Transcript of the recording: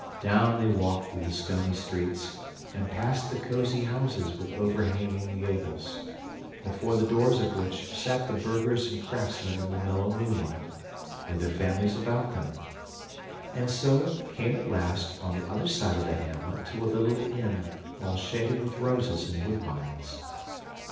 Down they walked through the stony streets and past the cosy houses with overhanging gables, before the doors of which sat the burghers and craftsmen in the mellow moonlight, with their families about them, and so came at last, on the other side of the hamlet, to a little inn, all shaded with roses and woodbines.